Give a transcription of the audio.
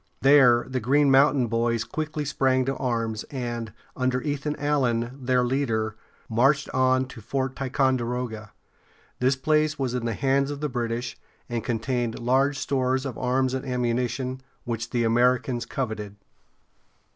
There the Green Mountain Boys quickly sprang to arms, and, under Ethan Allen, their leader, marched on to Fort Ticonderoga. This place was in the hands of the British, and contained large stores of arms and ammunition, which the Americans coveted.